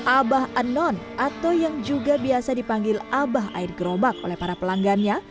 abah anon atau yang juga biasa dipanggil abah air gerobak oleh para pelanggannya